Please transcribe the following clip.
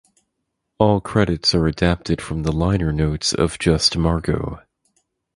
All credits are adapted from the liner notes of "Just Margo".